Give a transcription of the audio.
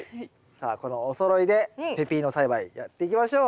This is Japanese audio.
さあこのおそろいでペピーノ栽培やっていきましょう。